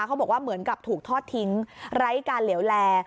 เขาบอกว่าเหมือนกับถูกทอดทิ้งไร้การเหลวแล